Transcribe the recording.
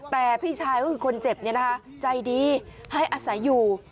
แต่พี่ชายก็คือคนเจ็บใจดีให้อาศัยอยู่